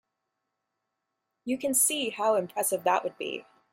You can see how impressive that would be.